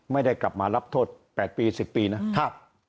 ไม่ได้กลับมารับโทษ๘ปี๑๐ปีนะครับ